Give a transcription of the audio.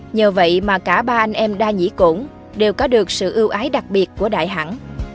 nhờ vậy mà cả ba anh em đa nhĩ cổn đều có được sự ưu ái đặc biệt của đại hẳn